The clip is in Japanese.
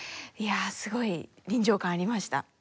いやすごい臨場感ありました。